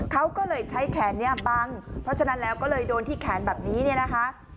เขาก็เลยใช้แขนเนี่ยบังเพราะฉะนั้นแล้วก็เลยโดนที่แขนแบบนี้เนี่ยนะคะ